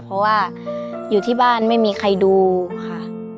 เพราะว่าอยู่ที่บ้านไม่มีใครดูค่ะ